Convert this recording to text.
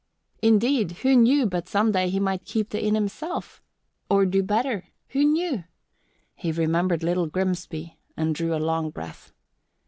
Indeed, who knew but some day he might keep the inn himself or do better? Who knew? He remembered Little Grimsby and drew a long breath.